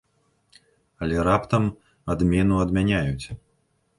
Але раптам адмену адмяняюць.